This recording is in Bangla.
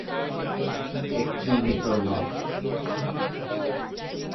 একটি মৃত নখ।